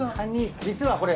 実はこれ。